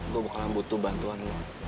gue bakalan butuh bantuan